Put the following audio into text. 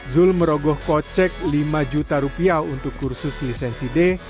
zul merogoh kocek lima juta rupiah untuk kursus lisensi d